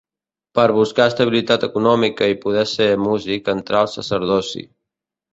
Per buscar estabilitat econòmica i poder ser músic entrà al sacerdoci.